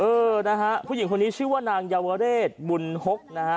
เออนะฮะผู้หญิงคนนี้ชื่อว่านางเยาวเรศบุญฮกนะฮะ